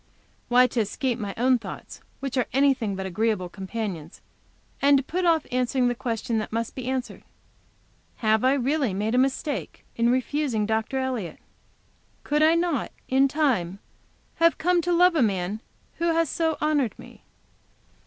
Why, to escape my own thoughts, which are anything but agreeable companions, and to put off answering the question which must be answered, "Have I really made a mistake in refusing Dr. Elliott? Could I not, in time, have come to love a man who has so honored me?"